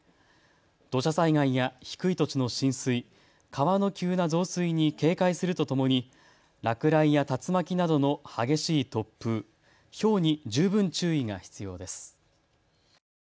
土砂災害や低い土地の浸水、川の急な増水に警戒するとともに落雷や竜巻などの激しい突風、ひょうに十分注意が必要です。